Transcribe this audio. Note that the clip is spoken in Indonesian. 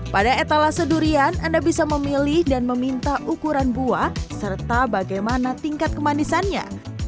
pada etalase durian anda bisa memilih dan meminta ukuran buah serta bagaimana tingkat kemanisannya